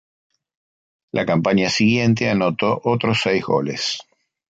La campaña siguiente anotó otros seis goles.